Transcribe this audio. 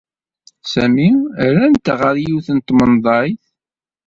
Sami rran-t ɣer yiwet n tmenḍayt.